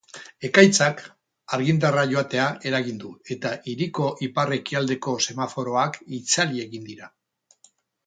Ekaitzak argindarra joatea eragin du eta hiriko ipar-ekialdeko semaforoak itzali egin dira.